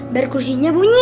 biar kursinya bunyi